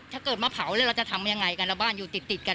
ถ้าเกิดมาเผาแล้วเราจะทำยังไงกันแล้วบ้านอยู่ติดกัน